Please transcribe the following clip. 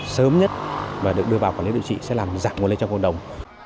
sớm nhất và được đưa vào quản lý đội trị sẽ làm giảm nguồn lên trong cộng đồng